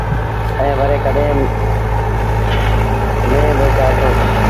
ائيٚݩ وري ڪڏهيݩ ميݩهݩ با چآرتو۔